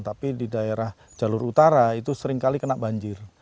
tapi di daerah jalur utara itu seringkali kena banjir